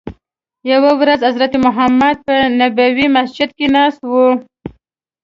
یوه ورځ حضرت محمد په نبوي مسجد کې ناست وو.